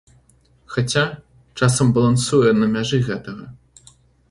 Хаця, часам балансуе на мяжы гэтага.